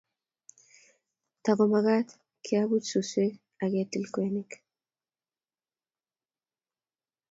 Tage magat keabuch suswek ak ketil kwenik